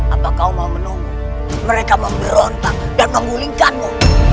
apa kau mau menunggu mereka memberontak dan mengulingkanmu